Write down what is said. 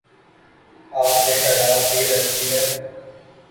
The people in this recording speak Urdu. آپ نے شراب پی رکھی ہے؟